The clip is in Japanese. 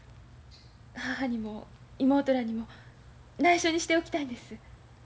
母にも妹らにもないしょにしておきたいんです。